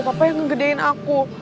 papa yang ngegedein aku